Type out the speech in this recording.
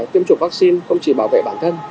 tiêm chủng vắc xin không chỉ bảo vệ bản thân